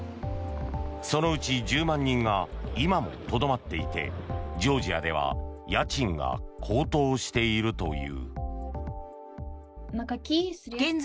そのうち１０万人が今もとどまっていてジョージアでは家賃が高騰しているという。